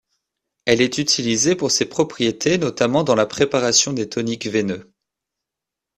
Elle est utilisée pour ses propriétés, notamment dans la préparation des toniques veineux.